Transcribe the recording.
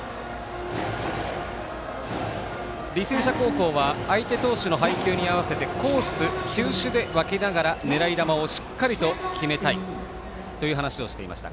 社高校は相手投手の配球に合わせてコース、球種で分けながら狙い球をしっかりと決めたいという話をしていました。